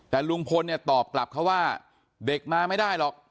แต่ลุงพลเนี่ยตอบกลับเขาว่าเด็กมาไม่ได้หรอก